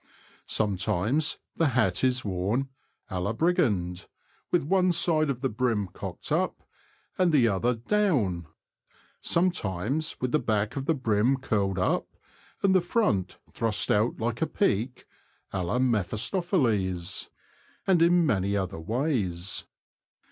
Sometimes the hat is worn a la brigand, with one side of the brim cocked up, and the other down ; sometimes with the back of the brim curled up, and the front thrust out like a peak, a la Mephisto pheles ; and in many other ways.